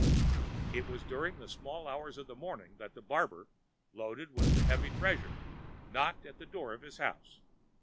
It was during the small hours of the morning that the barber, loaded with the heavy treasure, knocked at the door of his house.